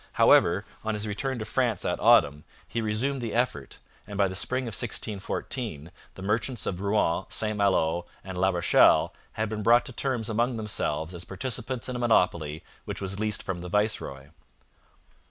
However, on his return to France that autumn, he resumed the effort, and by the spring of 1614. the merchants of Rouen, St Malo, and La Rochelle had been brought to terms among themselves as participants in a monopoly which was leased from the viceroy.